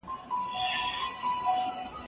استازي به د بهرنيو اړيکو د ښه والي لپاره هڅي کوي.